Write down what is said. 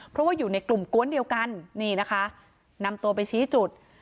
เพราะว่าอยู่ในกลุ่มกวนเดียวกันนี่นะคะนำตัวไปชี้จุด